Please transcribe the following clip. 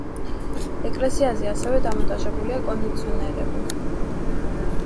ეკლესიაზე ასევე დამონტაჟებულია კონდიციონერები.